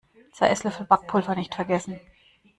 Zwei Esslöffel Backpulver nicht vergessen.